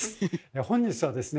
本日はですね